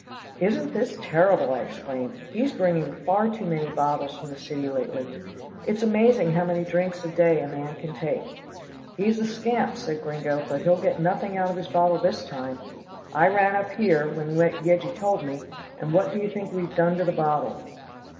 "Isn't this terrible," I exclaimed. "He's bringing far too many bottles from the city lately. It's amazing how many drinks a day a man can take." "He's a scamp," said Gringo, "but he'll get nothing out of his bottle this time. I ran up here, when Yeggie told me, and what do you think we've done to the bottle?"